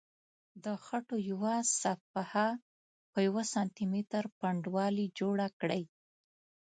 د خټو یوه صفحه په یوه سانتي متر پنډوالي جوړه کړئ.